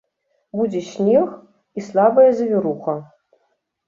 Будзе снег і слабая завіруха.